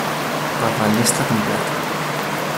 Per la llista completa.